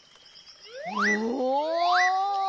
お！